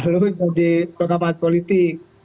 lalu di kebhkat politik